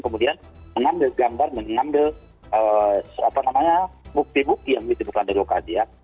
kemudian mengambil gambar mengambil bukti bukti yang ditemukan dari lokasi ya